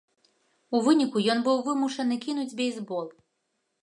У выніку ён быў вымушаны кінуць бейсбол.